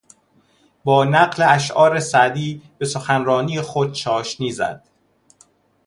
با نقل اشعار سعدی به سخنرانی خود چاشنی زد.